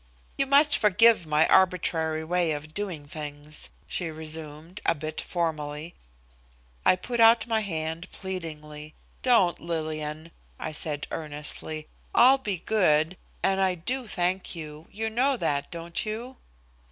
"You must forgive my arbitrary way of doing things," she resumed, a bit formally. I put out my hand pleadingly. "Don't, Lillian," I said earnestly. "I'll be good, and I do thank you. You know that, don't you?"